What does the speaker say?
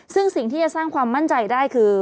ซึ่งสิ่งที่จะสร้างความมั่นใจได้คือ